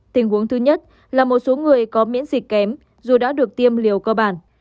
tình huống thứ nhất là một số người có miễn dịch kém dù đã được tiêm liều cơ bản